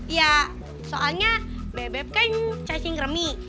ya soalnya bebek kan cacing kremi